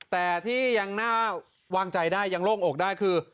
แต่ที่ยังน่าวางใจได้ยังโล่งอกได้คือ